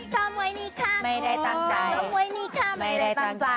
ทำไว้นี่ค่ะไม่ได้ตั้งใจทิ้งไว้นี่ค่ะไม่ได้ตั้งใจ